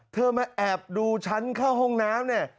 เธอมาแอบดูฉันเข้าห้องน้ำเนี่ย